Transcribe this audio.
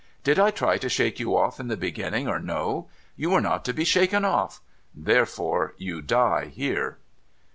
Did I try to shake you oft' in the beginning, or no ? You were not to be shaken oft'. Therefore you die here.'